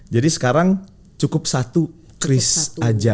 jadi sekarang cukup satu kris aja